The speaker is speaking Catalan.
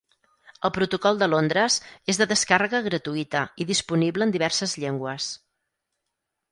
El protocol de Londres és de descàrrega gratuïta i disponible en diverses llengües.